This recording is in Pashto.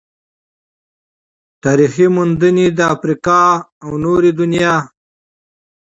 تاريخي موندنې او د افريقا او نورې دنيا